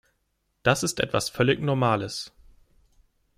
Das ist etwas völlig Normales.